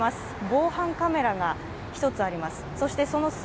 防犯カメラが１つあります。